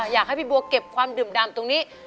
อยากให้พี่บัวเก็บความดื่มดำตรงนี้